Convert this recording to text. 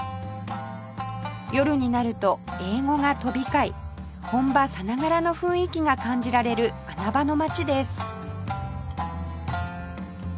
夜になると英語が飛び交い本場さながらの雰囲気が感じられる穴場の街です